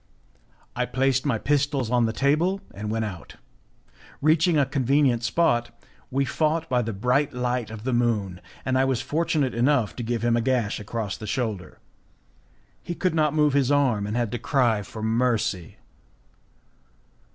I placed my pistols on the table, and we went out. Reaching a convenient spot, we fought by the bright light of the moon, and I was fortunate enough to give him a gash across the shoulder. He could not move his arm, and he had to cry for mercy.